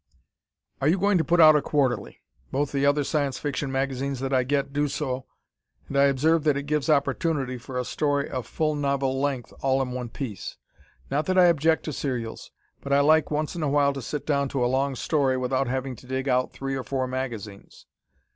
Are you going to put out a quarterly? Both the other Science Fiction magazines that I get do so, and I observe that it gives opportunity for a story of full novel length all in one piece. Not that I object to serials, but I like once in a while to sit down to a long story without having to dig out three or four magazines.